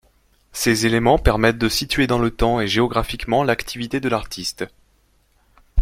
Ces éléments permettent de situer dans le temps et géographiquement l'activité de l'artiste.